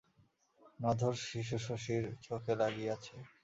নধর শিশু শশীর চোখে লাগিয়াছে।